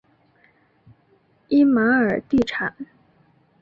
伊玛尔地产。